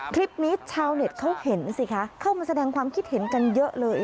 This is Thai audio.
คลิปนี้ชาวเน็ตเขาเห็นสิคะเข้ามาแสดงความคิดเห็นกันเยอะเลย